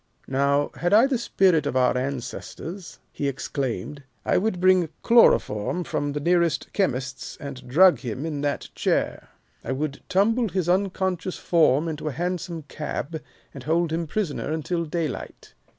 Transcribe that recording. Now, had I the spirit of our ancestors," he exclaimed, "I would bring chloroform from the nearest chemist's and drug him in that chair. I would tumble his unconscious form into a hansom cab, and hold him prisoner until daylight.